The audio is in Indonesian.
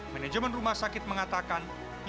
manajemen rumah sakit mengatakan